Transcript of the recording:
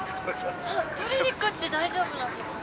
鶏肉って大丈夫なんですか？